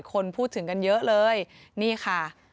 คนพูดถึงกันเยอะเลยนี่ค่ะ